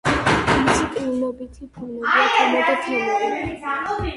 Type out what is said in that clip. მისი კნინობითი ფორმებია თემო და თემური.